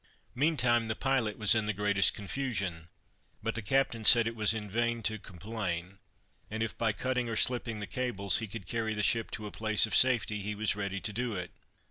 Meantime the pilot was in the greatest confusion; but the captain said it was in vain to complain, and if by cutting, or slipping the cables, he could carry the ship to a place of safety, he was ready to do it.